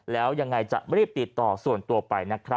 แล้วยังไงจะรีบติดต่อส่วนตัวไปนะครับ